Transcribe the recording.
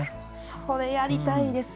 それやりたいです。